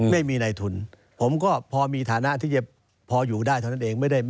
ไม่มีในทุนผมก็พอมีฐานะที่จะพออยู่ได้เท่านั้นเอง